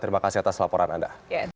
terima kasih atas laporan anda